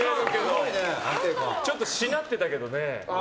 ちょっと、しなってたけどね。